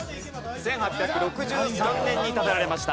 １８９９年に建てられました。